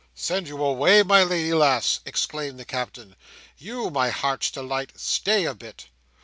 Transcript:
"Send you away, my lady lass!" exclaimed the Captain. "You, my Heart's Delight! Stay a bit!